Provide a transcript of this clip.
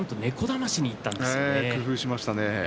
なんと工夫しましたね。